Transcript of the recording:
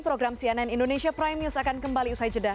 program cnn indonesia prime news akan kembali usai jeda